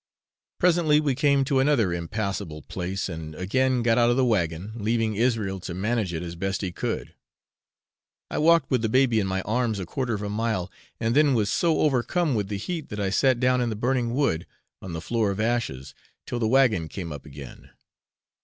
Presently we came to another impassable place, and again got out of the wagon, leaving Israel to manage it as best he could. I walked with the baby in my arms a quarter of a mile, and then was so overcome with the heat that I sat down in the burning wood, on the floor of ashes, till the wagon came up again.